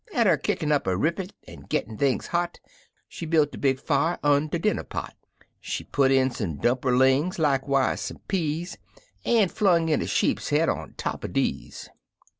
Atter kickin' up a rippit an' gittin' things hot, She built a big fier un' de dinner pot; She put in some dumperlin's, likewise some peas, An" flung in a sheep head on top er dese.